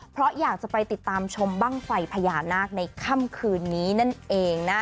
เพราะอยากจะไปติดตามชมบ้างไฟพญานาคในค่ำคืนนี้นั่นเองนะ